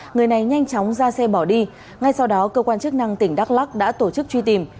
người này nhanh chóng ra xe bỏ đi ngay sau đó cơ quan chức năng tỉnh đắk lắc đã tổ chức truy tìm